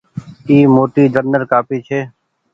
اي موٽي جنرل ڪآپي ڇي۔